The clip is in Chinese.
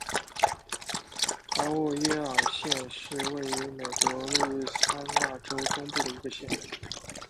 阿沃耶尔县是位于美国路易斯安那州中部的一个县。